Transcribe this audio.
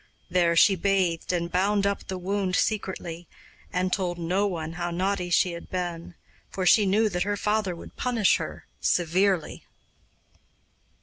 There she bathed and bound up the wound secretly, and told no one how naughty she had been, for she knew that her father would punish her severely.